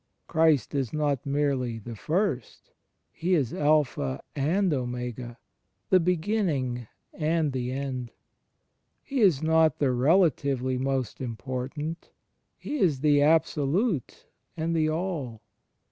Christ is not merely " the First "; He is Alpha and Omega, the beginning and the end. He is not the relatively most important; He is the Absolute and the All.